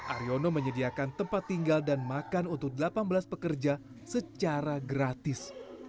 aryono menyediakan tempat tinggal dan makan untuk delapan belas pekerja secara gratis